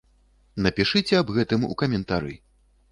Напішыце аб гэтым у каментары!